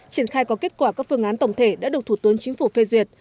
triển khai có kết quả các phương án tổng thể đã được thủ tướng chính phủ phê duyệt